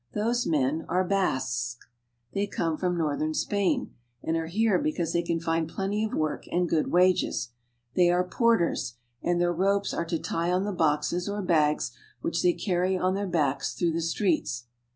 Those men are Basques. They come from northern Spain, and are here Street Scene. because they can find plenty of work and good wages. They are porters, and their ropes are to tie on the boxes or bags which they carry on their backs through the streets.